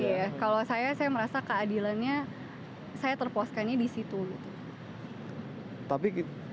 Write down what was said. iya kalau saya saya merasa keadilannya saya terpuaskannya di situ